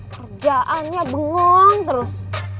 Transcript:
kerjaannya bengong terus